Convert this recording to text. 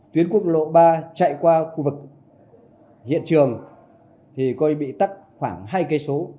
tuyến quốc lộ ba chạy qua khu vực hiện trường thì coi bị tắt khoảng hai km